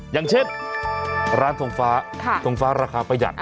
อย่างเช่นร้านทรงฟ้าทงฟ้าราคาประหยัด